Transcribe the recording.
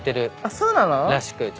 そうなの？